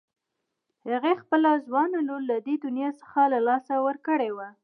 هغې خپله ځوانه لور له دې دنيا څخه له لاسه ورکړې وه.